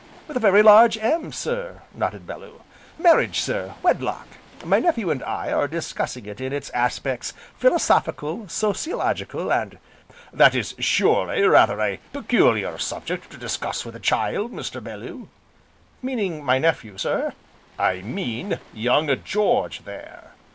"With a large M, sir," nodded Bellew, "marriage, sir, wedlock; my nephew and I are discussing it in its aspects philosophical, sociological, and " "That is surely rather a peculiar subject to discuss with a child, Mr. Bellew " "Meaning my nephew, sir?" "I mean young George, there."